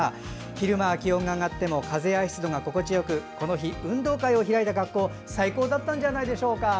昼間は気温が上がっても風や湿度の低さが大変心地よくこの日運動会を開いた学校は最高だったんじゃないでしょうか。